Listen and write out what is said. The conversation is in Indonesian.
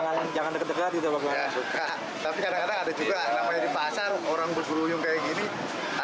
soalnya kan mau gimana namanya dipasang ya